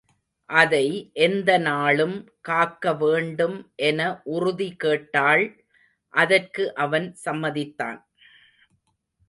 அதை எந்தநாளும் காக்க வேண்டும் என உறுதி கேட்டாள் அதற்கு அவன் சம்மதித்தான்.